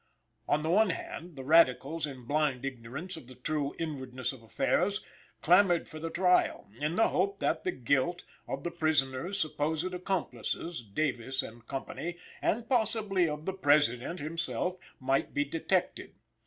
On the one hand, the radicals, in blind ignorance of the true inwardness of affairs, clamored for the trial, in the hope that the guilt of the prisoner's supposed accomplices, Davis and Company, and possibly of the President himself, might be detected.